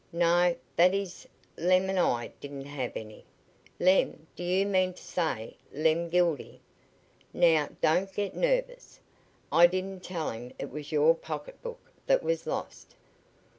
"No; that is, Lem and I didn't have any." "Lem do you mean to say Lem Gildy?" "Now, don't get nervous. I didn't tell him it was your pocketbook that was lost.